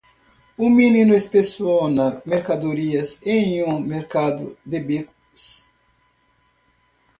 Um menino inspeciona mercadorias em um mercado de becos.